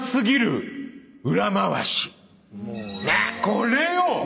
これよ！